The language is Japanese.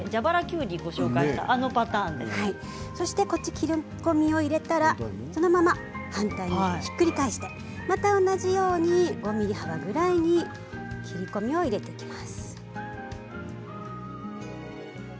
切り込みを入れたらそのまま反対にひっくり返してまた同じように５ｍｍ幅ぐらいに切り込みを入れていきます。